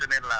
cho nên là